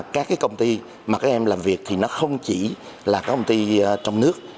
các công ty mà các em làm việc thì nó không chỉ là các công ty trong nước